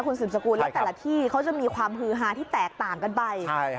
คุณสืบสกุลและแต่ละที่เขาจะมีความฮือฮาที่แตกต่างกันไป